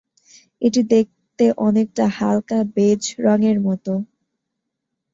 এটি দেখতে অনেকটা হালকা বেজ রঙের মতো।